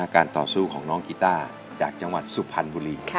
การต่อสู้ของน้องกีต้าจากจังหวัดสุพรรณบุรี